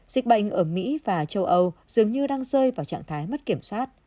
dịch bệnh ở mỹ và châu âu dường như đang rơi vào trạng thái mất kiểm soát